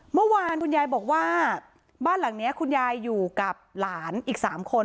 เมื่อวานคุณยายบอกว่าบ้านหลังนี้คุณยายอยู่กับหลานอีก๓คน